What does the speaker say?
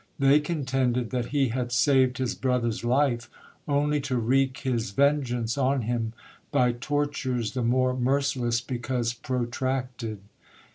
They contended that he had saved his brother's lift; only to wreak his vengeance on him by tortures the more merciless because protracted.